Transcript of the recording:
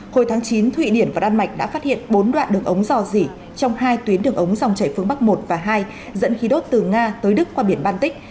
hồi tháng chín thụy điển và đan mạch đã phát hiện bốn đoạn đường ống dò dỉ trong hai tuyến đường ống dòng chảy phương bắc một và hai dẫn khí đốt từ nga tới đức qua biển baltic